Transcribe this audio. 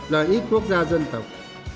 lợi ích quốc gia dân tộc